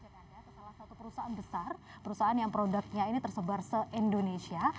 sala satu perusahaan besar perusahaan yang produknya ini tersebar se indonesia